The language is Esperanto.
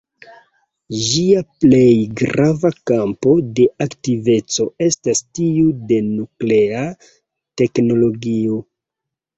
Ĝia plej grava kampo de aktiveco estas tiu de nuklea teknologio.